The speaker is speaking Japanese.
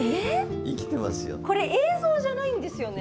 これ映像じゃないんですよね？